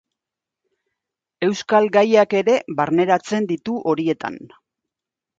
Euskal gaiak ere barneratzen ditu horietan.